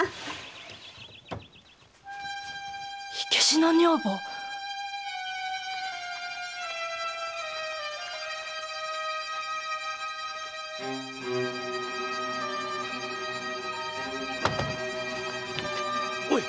火消しの女房⁉おい。